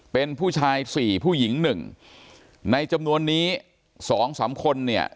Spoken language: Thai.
เป็นผู้ชาย๔ผู้หญิง๑ในจำนวนนี้๒๓คนเนี่ย